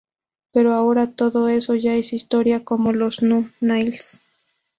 Pero ahora todo eso ya es historia, como los Nu-Niles.